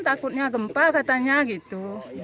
takutnya gempar katanya gitu